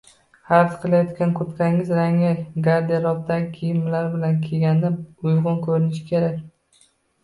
Xarid qilayotgan kurtkangiz rangi garderobdagi kiyimlar bilan kiyganda uyg‘un ko‘rinishi kerak